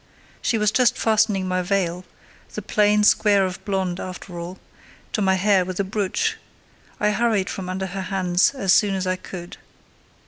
She was just fastening my veil (the plain square of blond after all) to my hair with a brooch; I hurried from under her hands as soon as I could.